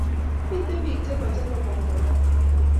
Miten bik che mache kobwa kaa